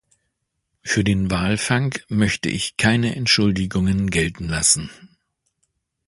Für den Walfang möchte ich keine Entschuldigungen gelten lassen.